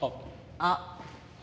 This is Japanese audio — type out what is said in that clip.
あっ。